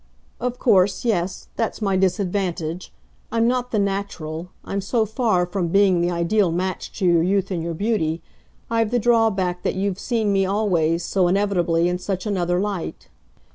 "Of course, yes that's my disadvantage: I'm not the natural, I'm so far from being the ideal match to your youth and your beauty. I've the drawback that you've seen me always, so inevitably, in such another light."